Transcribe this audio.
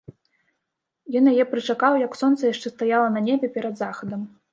Ён яе прычакаў, як сонца яшчэ стаяла на небе, перад захадам.